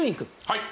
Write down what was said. はい。